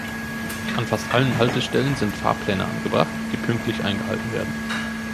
An fast allen Haltestellen sind Fahrpläne angebracht, die pünktlich eingehalten werden.